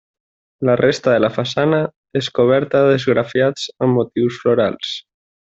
La resta de la façana és coberta d'esgrafiats amb motius florals.